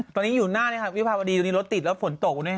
ตอนนี้อยูหน้าวิภาพอดีรถติดแล้วฝนตก